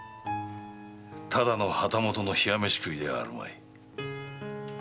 ただの旗本の冷や飯食いではあるまい。